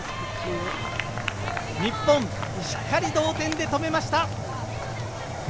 日本しっかり同点で止めました。